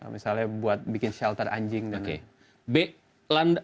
misalnya buat bikin shelter anjing dan lain lain